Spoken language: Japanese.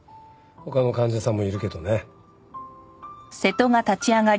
他の患者さんもいるけどね。